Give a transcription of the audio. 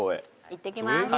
「いってきます」